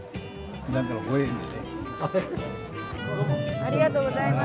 ありがとうございます。